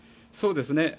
そうですね。